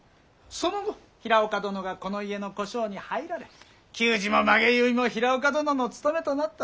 その後平岡殿がこの家の小姓に入られ給仕も髷結いも平岡殿の務めとなった。